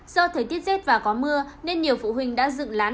do thời tiết rét và có mưa nên nhiều phụ huynh đã dựng lán